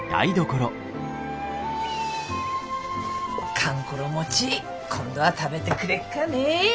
かんころ餅今度は食べてくれっかね。